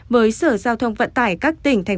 với sở giao thông vận tải các tỉnh tp hcm